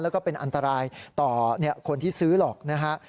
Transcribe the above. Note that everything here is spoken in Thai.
แล้วก็เป็นอันตรายต่อคนที่ซื้อหรอกนะฮะ